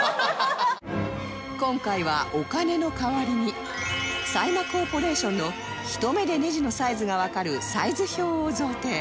今回はお金の代わりにサイマコーポレーションのひと目でネジのサイズがわかるサイズ表を贈呈